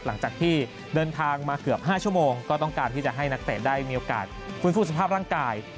หลังจากที่เดินทางมาเกือบ๕ชั่วโมงก็ต้องการที่จะให้นักเตะได้มีโอกาสฟื้นฟูสภาพร่างกาย